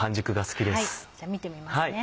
じゃ見てみますね。